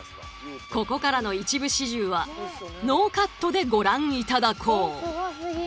ここからの一部始終はノーカットでご覧いただこう。